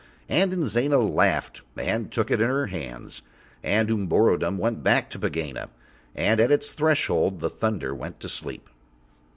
And Inzana laughed and took it in her hands, and Umborodom went back into Pegāna, and at its threshold the thunder went to sleep.